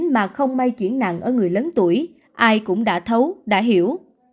mà không may chuyển nặng ở người lớn tuổi ai cũng đã thấu đã hiểu